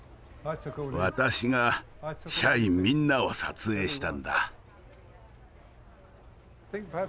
私が社員みんなを撮影したんだ。